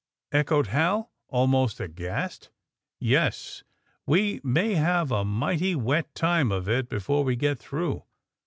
echoed Hal, almost aghast. *^Yes, we may have a mighty wet time of it before we get through.